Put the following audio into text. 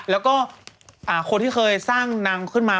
แล้วก็คนที่เคยสร้างนางขึ้นมา